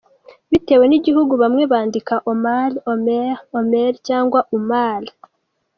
Bitewe n’igihugu bamwe bandika Omar, Omer, Ömer cyangwa Umar.